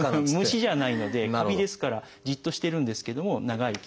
虫じゃないのでカビですからじっとしてるんですけども長い菌糸ですね。